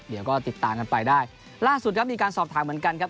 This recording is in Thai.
เดี๋ยวก็ติดตามกันไปได้ล่าสุดครับมีการสอบถามเหมือนกันครับ